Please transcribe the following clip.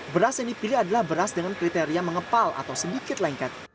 beras yang dipilih adalah beras dengan kriteria mengepal atau sedikit lengket